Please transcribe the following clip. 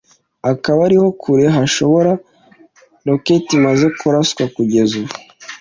akaba ariho kure hashobora rokete imaze kuraswa kugeza ubu